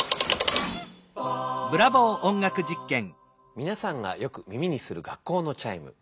みなさんがよく耳にする学校のチャイム。